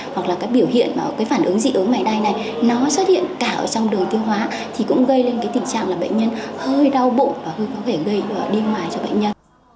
hoặc là các biểu hiện phản ứng dị ứng máy đai này nó xuất hiện cả trong đường tiêu hóa thì cũng gây lên tình trạng là bệnh nhân hơi đau bụng và hơi có thể gây điên hoài cho bệnh nhân